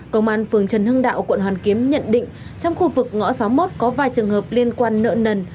công an phường trần hưng đạo quận hoàn kiếm nhận định trong khu vực ngõ sáu mươi một có vài trường hợp liên quan nợ nần